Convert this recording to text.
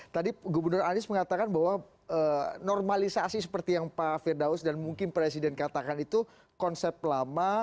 tadi gubernur anies mengatakan bahwa normalisasi seperti yang pak firdaus dan mungkin presiden katakan itu konsep lama